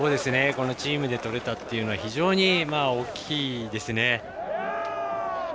チームでとれたというのは非常に大きいですね。